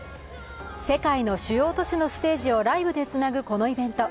世界の主要都市のステージをライブでつなぐこのイベント。